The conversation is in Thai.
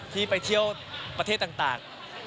ที่ไปเที่ยวประเทศต่าง